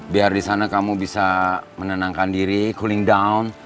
biar di sana kamu bisa menenangkan diri cooling down